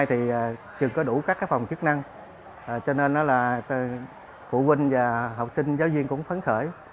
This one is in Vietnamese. trường có đủ các phòng chức năng cho nên là phụ huynh và học sinh giáo viên cũng phấn khởi